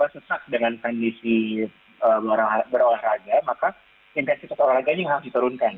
sesak dengan kondisi berolahraga maka intensitas olahraganya yang harus diturunkan